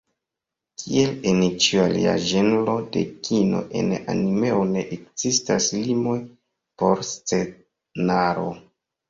Kiel en ĉiu alia ĝenro de kino, en animeo ne ekzistas limoj por scenaro.